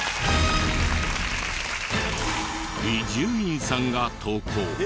伊集院さんが投稿。